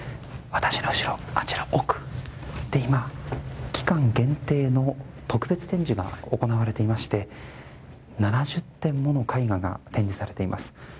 私の後ろ、奥で今、期間限定の特別展示が行われていまして７０点もの絵画が展示されています。